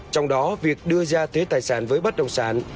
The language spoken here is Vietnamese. trong đó việc đưa ra thuế tài sản với bất đồng sản